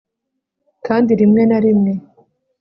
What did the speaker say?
kandi rimwe na rimwe